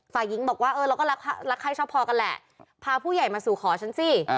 ฝ่ายหญิงบอกว่าเออเราก็รักใครชอบพอกันแหละพาผู้ใหญ่มาสู่ขอฉันสิ